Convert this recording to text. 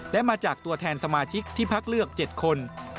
และมาจากตัวแทนสมาชิกที่พักเลือก๗คน